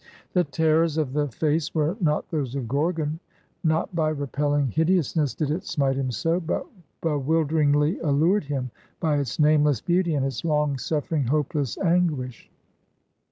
The terrors of the face were not those of Gorgon; not by repelling hideousness did it smite him so; but bewilderingly allured him, by its nameless beauty, and its long suffering, hopeless anguish.